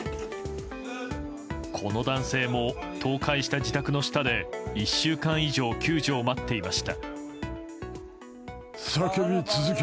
この男性も倒壊した自宅の下で１週間以上救助を待っていました。